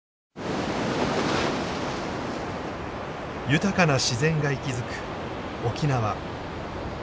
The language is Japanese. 豊かな自然が息づく沖縄。